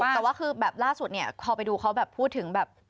แต่ว่าคือแบบล่าสุดพอไปดูเขาพูดถึงแบบ